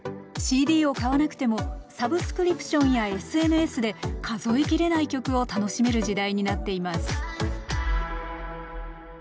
ＣＤを買わなくてもサブスクリプションやＳＮＳで数え切れない曲を楽しめる時代になっています